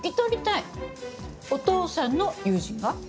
お父さんの友人が？